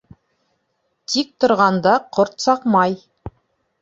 Тик торғанда ҡорт саҡмай.